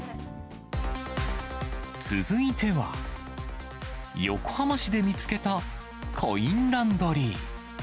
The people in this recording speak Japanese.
続いては、横浜市で見つけたコインランドリー。